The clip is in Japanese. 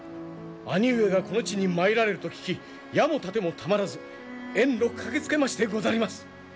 兄上がこの地に参られると聞き矢も盾もたまらず遠路駆けつけましてござります。